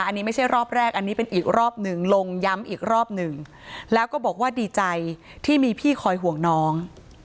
อันนี้ไม่ใช่รอบแรกอันนี้เป็นอีกรอบหนึ่งลงย้ำอีกรอบหนึ่งแล้วก็บอกว่าดีใจที่มีพี่คอยห่วงน้อง